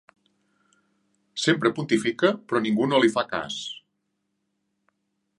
Sempre pontifica però ningú no li fa cas.